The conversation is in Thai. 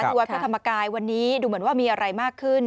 วัดพระธรรมกายวันนี้ดูเหมือนว่ามีอะไรมากขึ้น